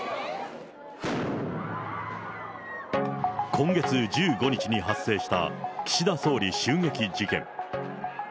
今月１５日に発生した岸田総理襲撃事件。